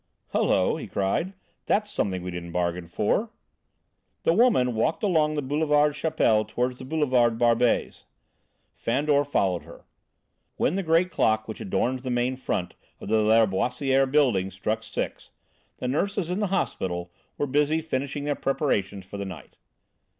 "Hullo!" he cried; "that's something we didn't bargain for!..." The woman walked along the Boulevard Chapelle toward the Boulevard Barbès. Fandor followed her. When the great clock which adorns the main front of the Lâriboisière buildings struck six, the nurses in the hospital were busy finishing their preparations for the night.